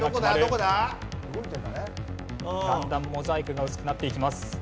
だんだんモザイクが薄くなっていきます。